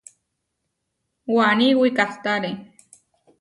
Waní wikahtáre.